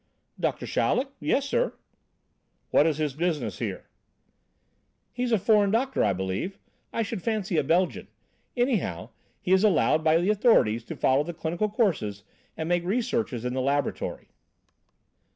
"Doctor Chaleck? Yes, sir." "What is his business here?" "He is a foreign doctor, I believe. I should fancy a Belgian. Anyhow, he is allowed by the authorities to follow the clinical courses and make researches in the laboratory."